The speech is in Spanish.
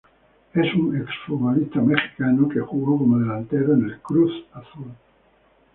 Es un exfutbolista mexicano que jugó como Delantero en el Cruz Azul.